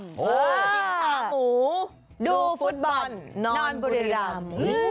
กินขาหมูดูฟุตบอลนอนบุรีรำ